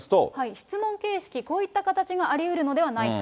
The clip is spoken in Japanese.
質問形式、こういった形がありうるのではないか。